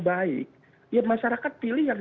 baik ya masyarakat pilih yang